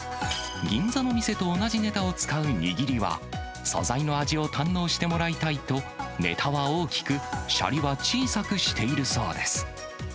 銀座の店と同じネタを使う握りは、素材の味を堪能してもらいたいと、ネタは大きく、シャリは小さくしているそうです。